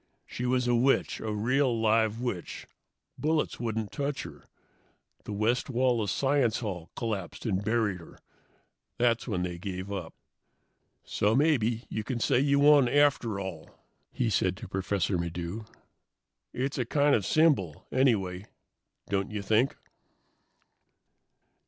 "She was a witch, a real, live witch. Bullets wouldn't touch her. The west wall of Science Hall collapsed and buried her. That's when they gave up. "So maybe you can say you won, after all," he said to Professor Maddox. "It's a kind of symbol, anyway, don't you think?"